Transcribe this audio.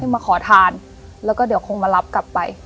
มาขอทานแล้วก็เดี๋ยวคงมารับกลับไป